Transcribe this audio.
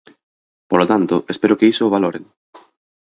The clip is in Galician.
Polo tanto, espero que iso o valoren.